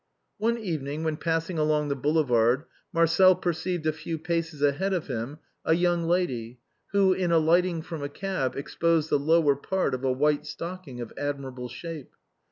One evening when passing along the Boulevard, Marcel perceived a few paces ahead of him a young lady who, in alighting from a cab, exposed the lower part, of a white stocking of admirable shape.